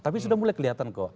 tapi sudah mulai kelihatan kok